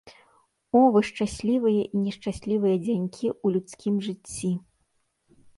О, вы шчаслівыя і нешчаслівыя дзянькі ў людскім жыцці!